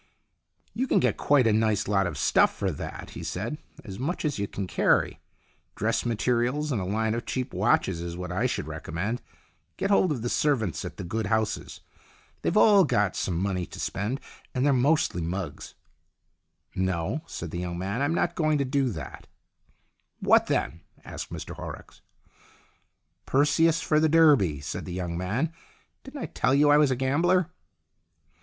" You can get quite a nice lot of stuff for that," he said. "As much as you can carry. Dress materials and a line of cheap watches is what I should recommend. Get hold of the servants at the good houses. They've all got some money to spend, and they're mostly mugs." 120 STORIES IN GREY " No," said the young man. " I'm not going to do that." " What, then ?" asked Mr Horrocks. "Perseus for the Derby," said the young man. " Didn't I tell you I was a gambler